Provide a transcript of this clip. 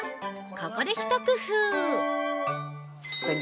ここでひと工夫。